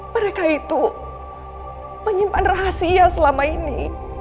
mereka itu menyimpan rahasia selama ini